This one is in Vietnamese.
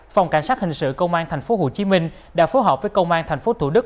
phòng cảnh sát hình sự công an tp hcm đã phối hợp với công an tp thủ đức